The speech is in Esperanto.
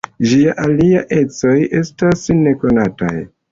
Ĝiaj aliaj ecoj estas nekonataj.